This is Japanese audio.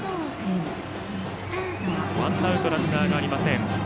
ワンアウトランナーがありません。